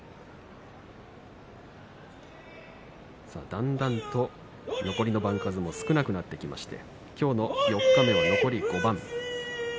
だんだんと残りの番数が少なくなってきまして今日の四日目の残り５番翠